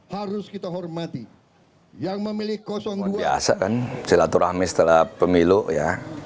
harus kita hormati yang memilih kosong biasa kan silaturahmi setelah pemilu ya